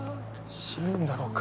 死ぬんだろうか。